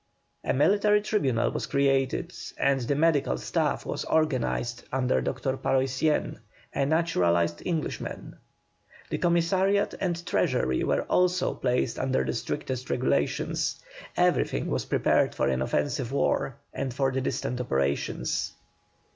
A military tribunal was created, and the medical staff was organized under Dr. Paroissien, a naturalised Englishman. The commissariat and treasury were also placed under the strictest regulations. Everything was prepared for an offensive war, and for distant operations.